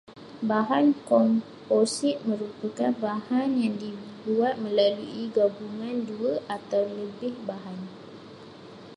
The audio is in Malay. Bahan komposit merupakan bahan yang dibuat melalui gabungan dua atau lebih bahan